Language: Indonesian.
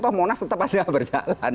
tuh monas tetap aja berjalan